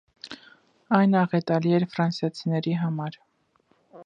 Այն աղետալի էր ֆրանսիացիների համար։